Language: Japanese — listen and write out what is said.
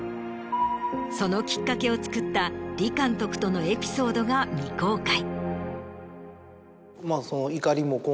そのきっかけをつくった李監督とのエピソードが未公開。